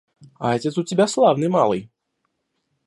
А отец у тебя славный малый.